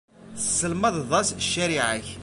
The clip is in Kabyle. Tesselmadeḍ-as ccariɛa-k.